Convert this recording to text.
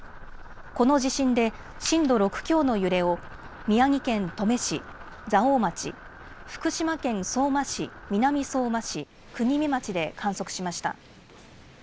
この地震で震度６強の揺れを宮城県登米市蔵王町、福島県相馬市、南相馬市、国見町で観測しました。